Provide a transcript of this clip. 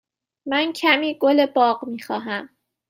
من کمی گل باغ می خواهم.